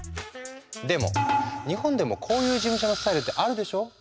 でも日本でもこういう事務所のスタイルってあるでしょ？